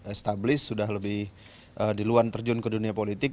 established sudah lebih duluan terjun ke dunia politik